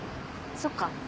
そっか。